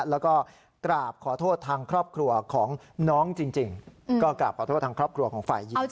แล้วก็กราบขอโทษทางครอบครัวของน้องจริงก็กราบขอโทษทางครอบครัวของฝ่ายหญิง